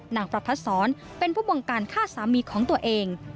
ประพัทธ์ศรเป็นผู้บงการฆ่าสามีของตัวเอง